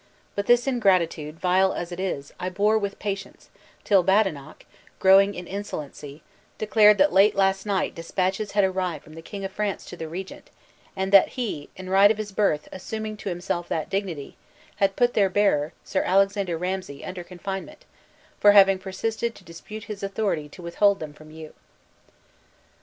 But this ingratitude, vile as it is, I bore with patience till Badenoch, growing in insolency, declared that late last night dispatches had arrived from the King of France to the regent, and that he (in right of his birth, assuming to himself that dignity) had put their bearer, Sir Alexander Ramsay, under confinement, for having persisted to dispute his authority to withhold them from you."